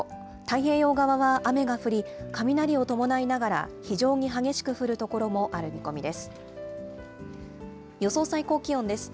太平洋側は雨が降り、雷を伴いながら非常に激しく降る所もある見込みです。